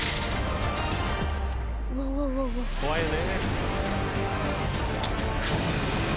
怖いよね。